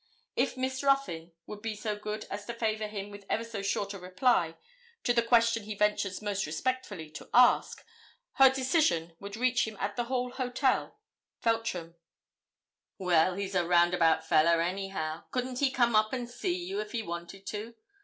If Miss Ruthyn would be so very good as to favour him with ever so short a reply to the question he ventures most respectfully to ask, her decision would reach him at the Hall Hotel, Feltram.' 'Well, he's a roundabout fellah, anyhow. Couldn't he come up and see you if he wanted to?